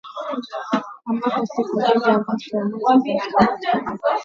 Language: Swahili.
Ambapo siku mbili za mwisho wa mwezi zina mabishano